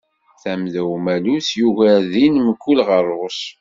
Tamda umalus yugar din mkul ɣerrus.